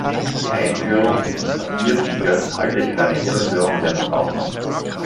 Die Einführung dieses Papiertigers halte ich für eine Irreführung der Verbraucher.